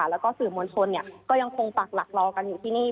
แล้วก็สื่อมวลชนก็ยังคงปักหลักรอกันอยู่ที่นี่